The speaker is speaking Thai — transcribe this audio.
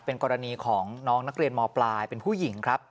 เป็นกรณีของน้องนักเรียนมปลายเป็นผู้หญิงครับ